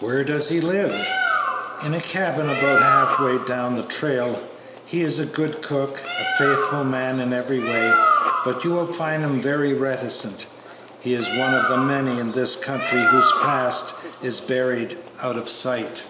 "Where does he live?" "In a cabin about half way down the trail. He is a good cook, a faithful man every way, but you will find him very reticent. He is one of the many in this country whose past is buried out of sight."